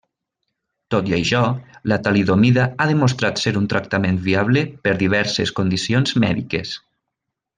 Tot i això, la talidomida ha demostrat ser un tractament viable per diverses condicions mèdiques.